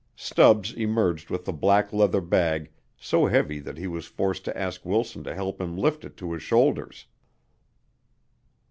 Stubbs emerged with a black leather bag so heavy that he was forced to ask Wilson to help him lift it to his shoulders.